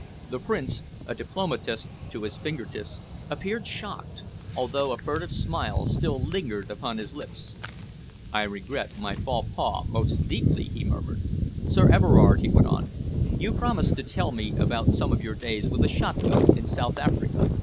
The Prince, a diplomatist to his fingertips, appeared shocked, although a furtive smile still lingered upon his lips. "I regret my faux pas most deeply," he murmured. "Sir Everard," he went on, "you promised to tell me of some of your days with a shotgun in South Africa.